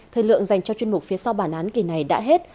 thời lượng dành cho chuyên mục phía sau bản án kỳ này đã hết